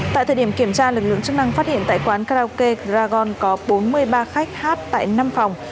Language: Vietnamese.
tại thời điểm kiểm tra lực lượng chức năng phát hiện tại quán karaoke gragon có bốn mươi ba khách hát tại năm phòng